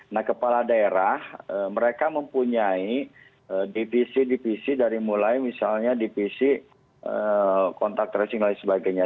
nah kepala daerah mereka mempunyai divisi divisi dari mulai misalnya divisi kontak tracing dan lain sebagainya